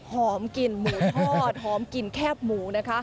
หอมกลิ่นหมูทอดหอมกลิ่นแคบหมูนะคะ